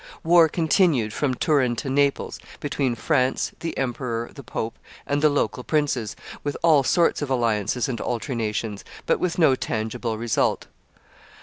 War continued, from Turin to Naples, between France, the emperor, the pope, and the local princes, with all sorts of alliances and alternations, but with no tangible result.